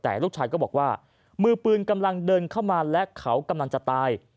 แต่ลูกชายก็บอกว่ามือปืนกำลังเดินเข้ามาและเขากำลังจะตาย